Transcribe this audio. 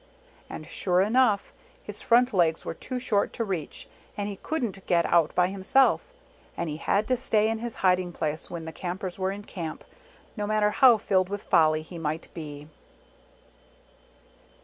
And sure enough, his front legs were too short to reach, and he couldn't get out by himself, and he ha^ to stay in his hiding place when the Campers were in Camp, no matter how filled with folly he mi<>ht be.